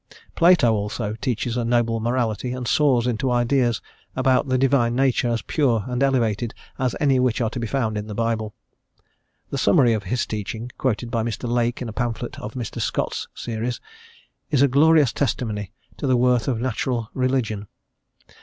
Plato, also, teaches a noble morality and soars into ideas about the Divine Nature as pure and elevated as any which are to be found in the Bible. The summary of his teaching, quoted by Mr. Lake in a pamphlet of Mr. Scott's series, is a glorious testimony to the worth of natural religion.